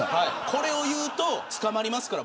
これを言うと捕まりますから。